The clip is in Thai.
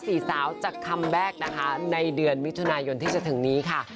สี่สาวจากคำแรกนะคะในเดือนมิถุนายนที่จะถึงนี้ค่ะ